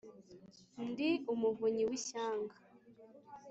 ndi umuvunyi w'ishyanga.